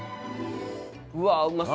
うわうまそう！